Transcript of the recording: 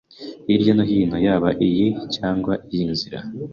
Hirya no hino yaba iyi cyangwa iyi nzira